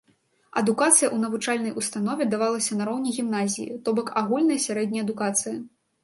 Адукацыя ў навучальнай установе давалася на роўні гімназіі, то бок агульная сярэдняя адукацыя.